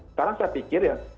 sekarang saya pikir ya